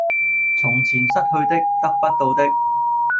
從前失去的、得不到的